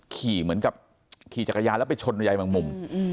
เหมือนกับขี่จักรยานแล้วไปชนยายบางมุม